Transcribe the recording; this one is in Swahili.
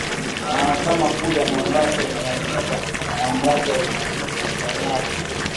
Mahakama kuu ya Mombasa imeiagiza mamlaka ya ukusanyaji